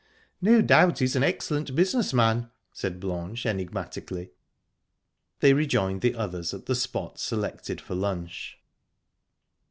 "No doubt he's an excellent business man," said Blanche enigmatically. They rejoined the others at the spot selected for lunch.